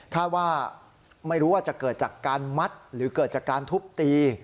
คาดว่าไม่รู้ว่าจะเกิดจากการมัดหรือเกิดจากการทุบตี